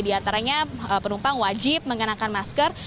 di antaranya penumpang wajib mengenakan masker